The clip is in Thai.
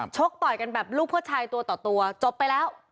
กต่อยกันแบบลูกผู้ชายตัวต่อตัวจบไปแล้ว